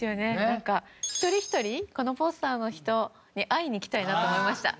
なんか一人ひとりこのポスターの人に会いに行きたいなと思いました。